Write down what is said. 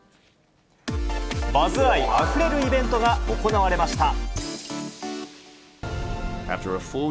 バズ愛あふれるイベントが行われました。